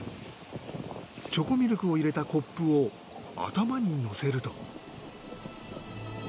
チョコミルクを入れたコップを頭に乗せると。